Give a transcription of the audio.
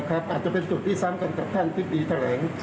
อาจจะเป็นจุดที่ซ้ำกันกับท่านอธิบดีแถลง